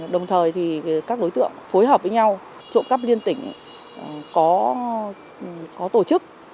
đồng thời thì các đối tượng phối hợp với nhau trộm cắp liên tỉnh có tổ chức